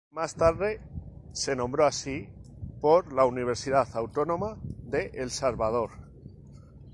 Más adelante, se nombró así por la Universidad Autónoma de El Salvador.